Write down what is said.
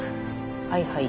はいはい。